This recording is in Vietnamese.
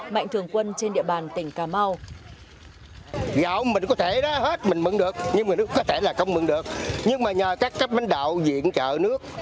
mạnh thường quân trên địa bàn tỉnh cà mau